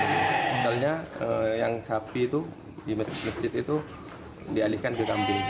misalnya yang sapi itu di masjid masjid itu dialihkan ke kambing